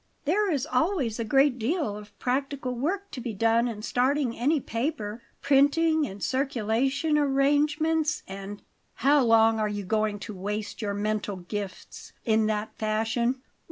There is always a great deal of practical work to be done in starting any paper printing and circulation arrangements and " "How long are you going to waste your mental gifts in that fashion?"